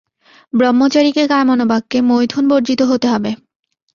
ব্রহ্মচারীকে কায়মনোবাক্যে মৈথুনবর্জিত হতে হবে।